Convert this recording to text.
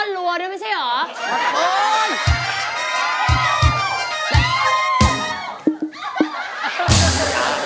และรู้สึกได้